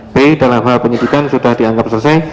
b dalam hal penyidikan sudah dianggap selesai